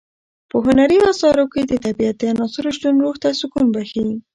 په هنري اثارو کې د طبیعت د عناصرو شتون روح ته سکون بښي.